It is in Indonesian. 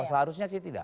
oh seharusnya sih tidak